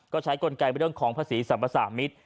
ก็ใช้กลไกเรื่องของภาษีสรรพสามิตร